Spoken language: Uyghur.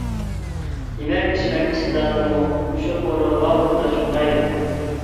يېمەك-ئىچمەك ئىسكىلاتىمۇ مۇشۇ قورۇغا ئورۇنلاشتۇرۇلغان ئىدى.